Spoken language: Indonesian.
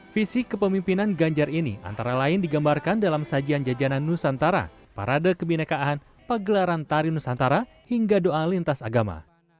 visi kepemimpinan ganjar ini antara lain digambarkan dalam sajian jajanan nusantara parade kebinekaan pagelaran tari nusantara hingga doa lintas agama